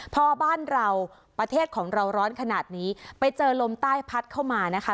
พอบ้านเราประเทศของเราร้อนขนาดนี้ไปเจอลมใต้พัดเข้ามานะคะ